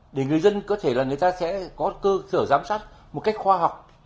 để người dân có thể là người ta sẽ có cơ sở giám sát một cách khoa học